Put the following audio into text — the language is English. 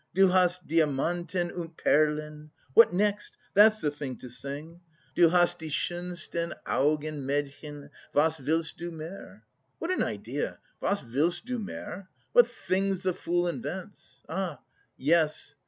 "Du hast Diamanten und Perlen "What next? That's the thing to sing. "Du hast die schönsten Augen Mädchen, was willst du mehr? "What an idea! Was willst du mehr? What things the fool invents! Ah, yes!